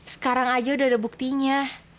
sekarang aja udah ada buktinya